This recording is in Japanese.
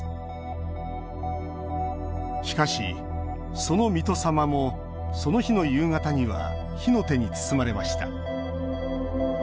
しかし、その水戸様もその日の夕方には火の手に包まれました。